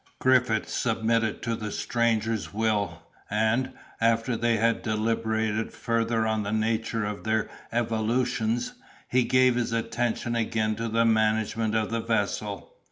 Griffith submitted to the stranger's will; and, after they had deliberated further on the nature of their evolutions, he gave his attention again to the management of the vessel.